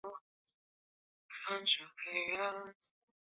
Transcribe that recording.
以传授牛若丸剑术的传说广为人知。